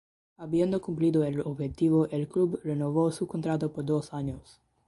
Habiendo cumplido el objetivo, el club renovó su contrato por dos años.